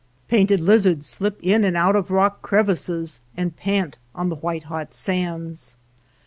Painted lizards slip in and out of rock crevices, and pant on the white hot sands.